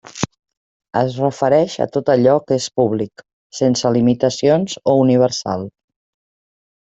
Es refereix a tot allò que és públic, sense limitacions o universal.